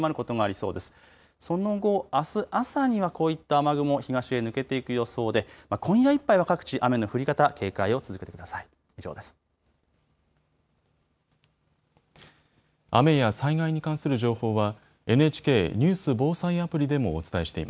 その後あす朝にはこういった雨雲東へ抜けていく予想で今夜いっぱいは各地、雨の降り方警戒を続けてください。